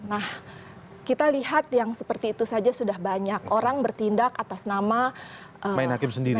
nah kita lihat yang seperti itu saja sudah banyak orang bertindak atas nama main hakim sendiri